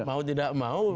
mau tidak mau